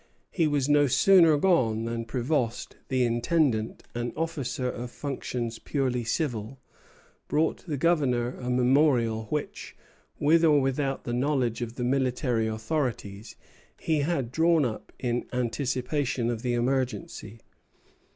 He was no sooner gone than Prévost, the intendant, an officer of functions purely civil, brought the Governor a memorial which, with or without the knowledge of the military authorities, he had drawn up in anticipation of the emergency.